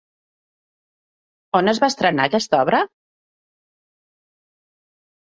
On es va estrenar aquesta obra?